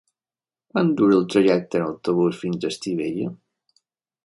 Quant dura el trajecte en autobús fins a Estivella?